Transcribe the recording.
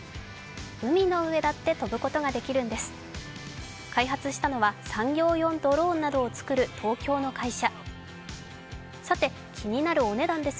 海の上だって飛ぶことができるんです。